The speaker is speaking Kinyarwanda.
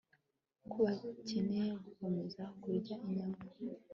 ko bakeneye gukomeza kurya inyama